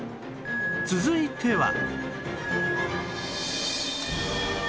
続いては